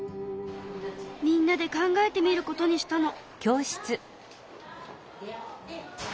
みんなで考えてみることにしたの。